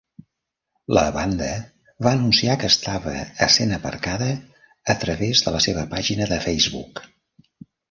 La banda va anunciar que estava essent "aparcada" a través de la seva pàgina de Facebook.